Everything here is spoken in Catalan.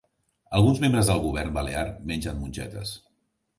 Alguns membres del govern balear mengen mongetes